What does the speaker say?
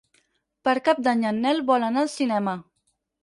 Per Cap d'Any en Nel vol anar al cinema.